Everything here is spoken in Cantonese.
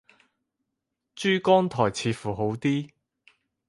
珠江台似乎好啲